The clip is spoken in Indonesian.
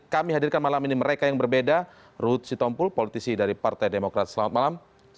kami hadirkan malam ini mereka yang berbeda ruhut sitompul politisi dari partai demokrat selamat malam